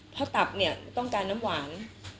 เพราะตับเนี่ยต้องการน้ำหวาน